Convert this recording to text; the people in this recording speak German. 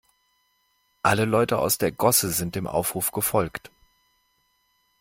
Alle Leute aus der Gosse sind dem Aufruf gefolgt.